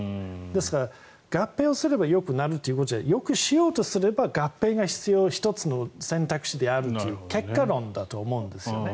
ですから合併をすればよくなるということではなくてよくしようとすれば合併が必要１つの選択肢であるという結果論だと思うんですよね。